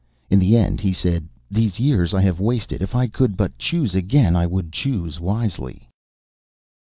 In the end he said: "These years I have wasted. If I could but choose again, I would choose wisely."